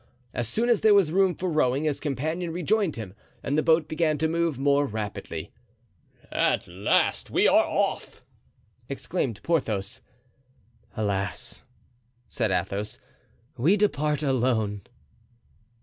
As soon as there was room for rowing, his companion rejoined him and the boat began to move more rapidly. "At last we are off!" exclaimed Porthos. "Alas," said Athos, "we depart alone."